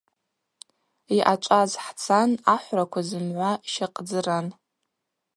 Йъачӏваз хӏцан – ахӏвраква зымгӏва щакъдзыран.